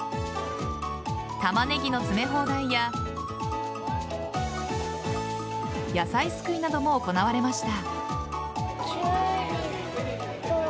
タマネギの詰め放題や野菜すくいなども行われました。